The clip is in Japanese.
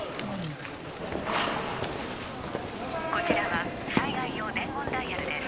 ☎「こちらは災害用伝言ダイヤルです」